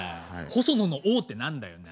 細野のＯって何だよな。